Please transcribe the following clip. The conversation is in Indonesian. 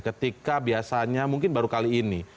ketika biasanya mungkin baru kali ini